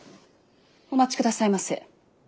お待ちくださいませ。